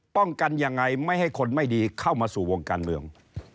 กันยังไงไม่ให้คนไม่ดีเข้ามาสู่วงการเมือง